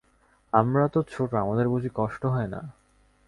আমরা তো ছোট, আমাদের বুঝি কষ্ট হয় না?